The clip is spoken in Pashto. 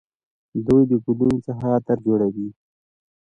دوی د ګلونو څخه عطر جوړوي.